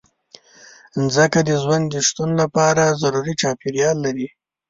مځکه د ژوند د شتون لپاره ضروري چاپېریال لري.